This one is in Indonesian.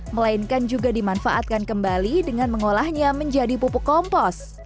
melainkan juga dimanfaatkan kembali dengan mengolahnya menjadi pupuk kompos